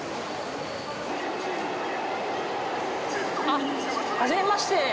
あっ初めまして。